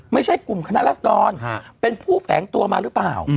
ไม่ใช่กลุ่มคณะรัศดรเป็นผู้แฝงตัวมาหรือเปล่า